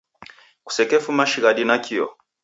Kusekefuma shighadi nakio.